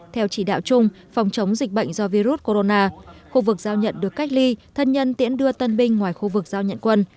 theo chỉ đạo chung phòng chống dịch bệnh do virus corona khu vực giao nhận được cách ly thân nhân tiễn đưa tân binh ngoài khu vực giao nhận quân